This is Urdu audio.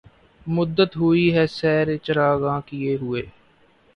مدّت ہوئی ہے سیر چراغاں کئے ہوئے